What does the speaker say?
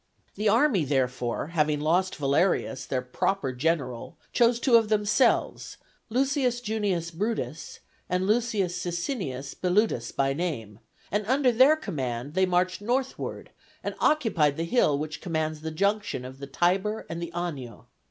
The army, therefore, having lost Valerius, their proper general chose two of themselves, L. Junius Brutus and L. Sicinius Bellutus by name, and under their command they marched northward and occupied the hill which commands the junction of the Tiber and the Anio.